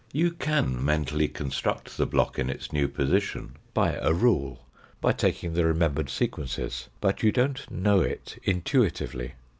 You can mentally construct the block in its new position, by a rule, by taking the remem bered sequences, but you don't know it intuitively.